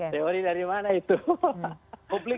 teori dari mana itu